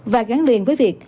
và gắn liền với việc